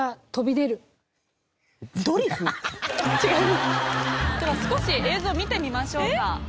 では少し映像見てみましょうか。